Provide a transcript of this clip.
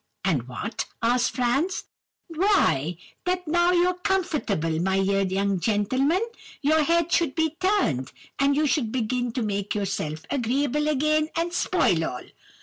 "'And what?' asked Franz. "'Why, that now you're comfortable, my dear young gentleman, your head should be turned, and you should begin to make yourself agreeable again, and spoil all.